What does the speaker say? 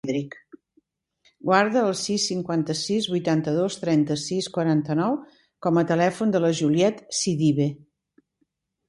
Guarda el sis, cinquanta-sis, vuitanta-dos, trenta-sis, quaranta-nou com a telèfon de la Juliet Sidibe.